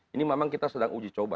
ini memang kita sedang uji coba